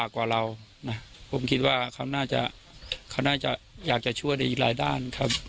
กว่าเรานะผมคิดว่าเขาน่าจะเขาน่าจะอยากจะช่วยในอีกหลายด้านครับ